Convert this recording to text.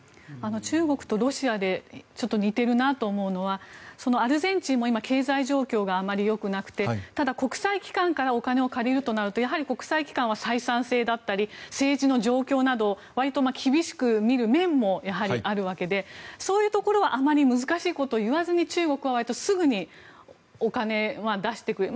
中国とロシアで似てるなと思うのはアルゼンチンも今、経済状況があまりよくなくてただ、国際機関からお金を借りるとなるとやはり国際機関は採算性政治の状況などをわりと厳しく見る面もやはりあるわけでそういうところはあまり難しいことを言わずに中国はわりとすぐにお金を出してくれる。